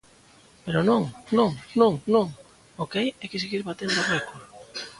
Pero non, non, non, non; o que hai é que seguir batendo o récord.